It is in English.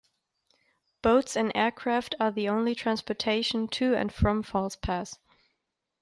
Boats and aircraft are the only transportation to and from False Pass.